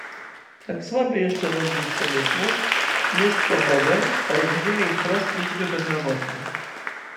"Tak słaby jeszcze rozwój przemysłu jest powodem olbrzymiej wprost liczby bezrobotnych."